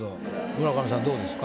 村上さんどうですか？